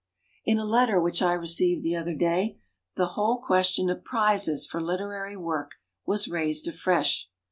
««In a letter which I received the other day the whole question of prizes for literary work was raised afresh.